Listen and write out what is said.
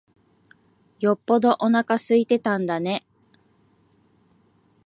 よっぽどおなか空いてたんだね。